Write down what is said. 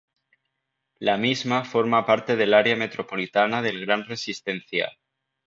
La misma forma parte del área metropolitana del Gran Resistencia.